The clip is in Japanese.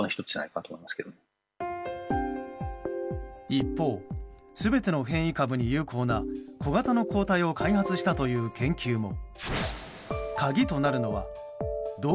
一方、全ての変異株に有効な小型の抗体を開発したという研究も。